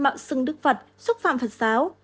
mạo xưng đức phật xúc phạm phật giáo